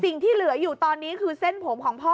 สิ่งที่เหลืออยู่ตอนนี้คือเส้นผมของพ่อ